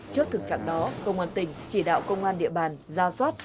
trước thực trạng đó công an tỉnh chỉ đạo công an địa bàn ra soát